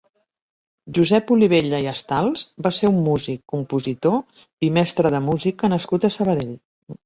Josep Olivella i Astals va ser un músic, compositor i mestre de música nascut a Sabadell.